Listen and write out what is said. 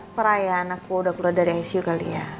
perayaan aku udah keluar dari icu kali ya